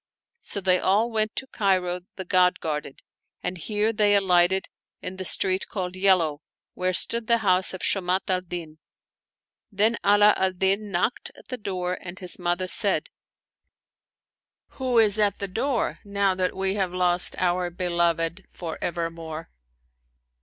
So they all went to Cairo the God guarded ; and here they alighted in the street called Yellow, where stood the house of Shamat al Din. Then Ala al Din knocked at the door, and his mother said, " Who is at the door, now that we have lost our beloved for evermore?